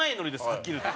はっきり言って。